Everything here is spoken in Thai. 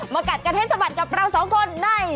มากัดเกอร์เทศสบัตรกับเราสองคนใน